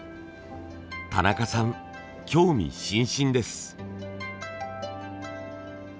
田中さん興味津々です。